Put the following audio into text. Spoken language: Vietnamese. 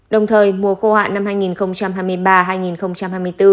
đồng thời mùa khô hạn năm hai nghìn hai mươi ba hai nghìn hai mươi bốn